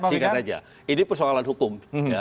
singkat saja ini persoalan hukum